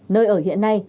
nơi ở hiện nay